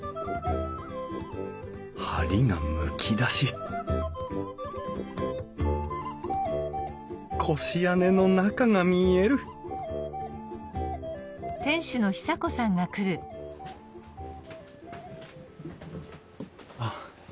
梁がむき出し越屋根の中が見えるあ。